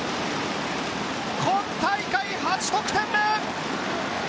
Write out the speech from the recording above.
今大会８得点目！